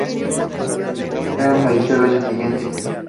Guerin falleció al año siguiente.